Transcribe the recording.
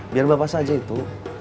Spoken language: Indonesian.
biar bapak saja itu